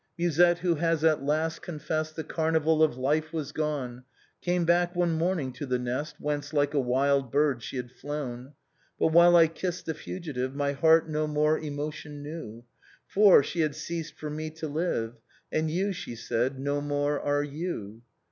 Musette, who has at last confessed The carnival of life was gone. Came back, one morning, to the nest Whence, like a wild bird, she had flown; But, while I kissed the fugitive, My heart no more emotion knew. For, she had ceased, for me, to live. And " You," she said, " no more are you.'